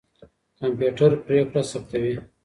کمپيوټر پرېکړه ثبتوي.